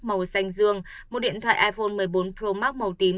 màu xanh dương một điện thoại iphone một mươi bốn pro max màu tím